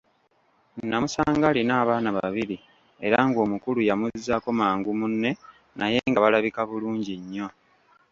Namusanga alina abaana babiri era ng'omukulu yamuzzaako mangu munne naye nga balabika bulungi nnyo.